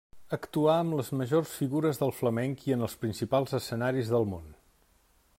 Actuà amb les majors figures del flamenc i en els principals escenaris del món.